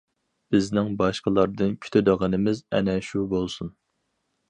بىزنىڭ باشقىلاردىن كۈتىدىغىنىمىز ئەنە شۇ بولسۇن.